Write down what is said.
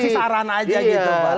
kita ngasih saran aja gitu pak